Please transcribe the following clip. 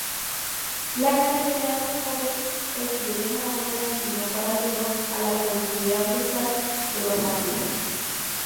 La carretera recorre el piedemonte andino paralelo a la Cordillera Oriental de los Andes.